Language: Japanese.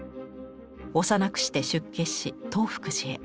幼くして出家し東福寺へ。